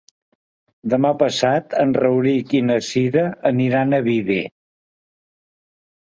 Demà passat en Rauric i na Cira aniran a Viver.